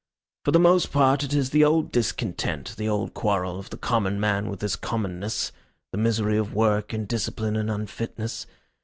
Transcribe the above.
For the most part it is the old discontent, the old quarrel of the common man with his commonness the misery of work and discipline and unfitness.